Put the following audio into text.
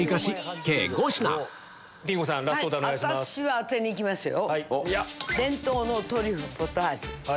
私は当てにいきますよ。